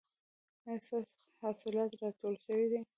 ایا ستاسو حاصلات راټول شوي دي؟